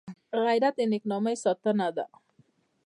غیرت د نېک نامۍ ساتنه ده